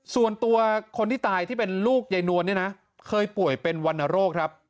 ส่วนตัวคนที่ตายที่เป็นลูกยายนวลเนี่ยนะเคยป่วยเป็นวรรณโรคครับ